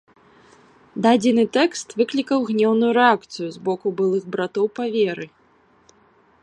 Дадзены тэкст выклікаў гнеўную рэакцыю з боку былых братоў па веры.